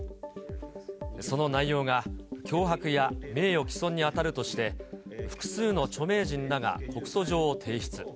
その内容が脅迫や名誉棄損に当たるとして、複数の著名人らが告訴状を提出。